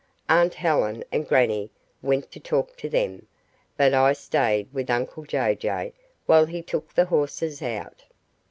Aunt Helen and grannie went to talk to them, but I stayed with uncle Jay Jay while he took the horses out.